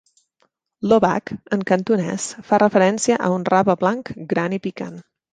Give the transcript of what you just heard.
"Lo bac", en cantonès, fa referència a un rave blanc gran i picant.